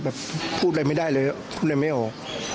ใช่พูดไม่ได้เลยไม่ออก